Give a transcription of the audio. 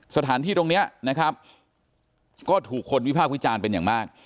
สถานที่ตรงนี้นะครับก็ถูกคนวิพากษ์วิจารณ์เป็นอย่างมาก